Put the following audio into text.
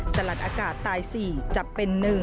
สลัดอากาศตาย๔จับเป็น๑